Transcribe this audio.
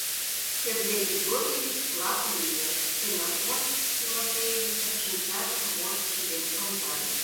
— Сергей Григорьевич лап лие, Ксенофонт Тимофеевичын шинчажым вошт шӱтен ончале.